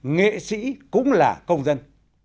nghệ sĩ cũng là công dân